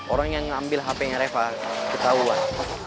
orang yang ngambil hpnya reva ketahuan